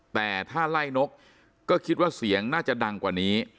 แต่ถ้าไล่นกก็คิดว่าเสียงน่าจะดังกว่านี้